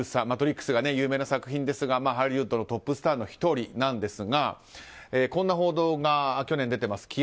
「マトリックス」が有名な作品ですがハリウッドのトップスターの１人ですがこんな報道が去年出ています。